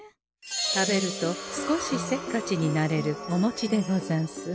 食べると少しせっかちになれるおもちでござんす。